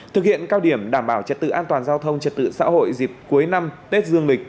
thực hiện cao điểm đảm bảo trật tự an toàn giao thông trật tự xã hội dịp cuối năm tết dương lịch